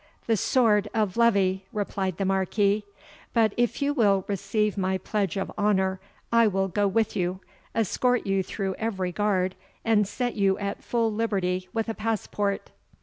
"The sword of Levi," replied the Marquis; "but if you will receive my pledge of honour, I will go with you, escort you through every guard, and set you at full liberty with a passport."